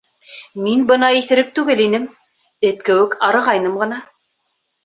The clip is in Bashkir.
Мин бына иҫерек түгел инем, эт кеүек арығайным ғына.